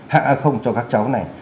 hạ không cho các cháu này